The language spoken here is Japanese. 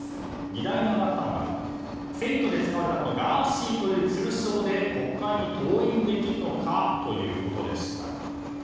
議題に挙がったのが選挙で使われたガーシーという通称で国会に登院できるのかということでした。